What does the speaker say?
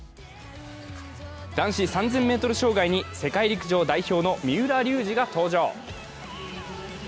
男子３０００ｍ障害に世界陸上代表の三浦龍司が登場。